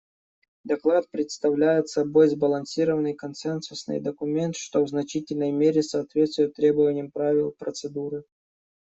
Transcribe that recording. Доклад представляет собой сбалансированный консенсусный документ, что в значительной мере соответствует требованиям правил процедуры.